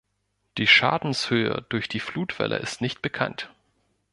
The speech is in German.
Die Schadenshöhe durch die Flutwelle ist nicht bekannt.